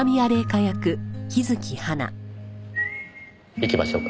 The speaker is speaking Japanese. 行きましょうか。